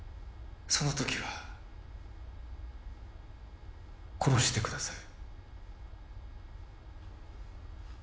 その時は殺してください